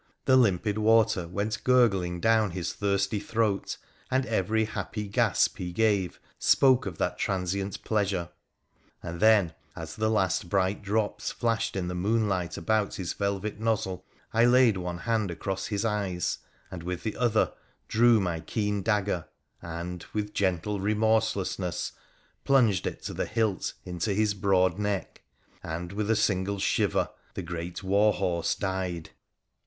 The limpid water went gurgling down his thirsty throat, and every happy gasp he gave spoke 172 WONDERFUL ADVENTURES OF of that transient pleasure. And then, as the last bright drops flashed in the moonlight about his velvet nozzle, I laid one hand across his eyes and with the other drew my keen dagger — and, with gentle remorselessness, plunged it to the hilt into his broad neck, and with a single shiver the great war horse died